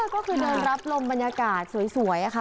ก็คือเดินรับลมบรรยากาศสวยค่ะ